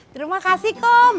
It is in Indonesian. terima kasih kom